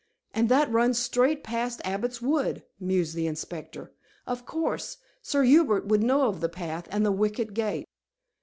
"And that runs straightly past Abbot's Wood," mused the inspector. "Of course, Sir Hubert would know of the path and the wicket gate?"